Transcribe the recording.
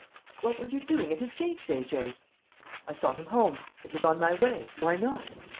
"But what were you doing at his gates, A.J.?" "I saw him home. It was on my way. Why not?"